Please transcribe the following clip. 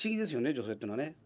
女性っていうのはね。